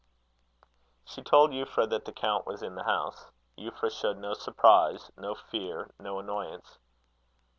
She told Euphra that the count was in the house. Euphra showed no surprise, no fear, no annoyance.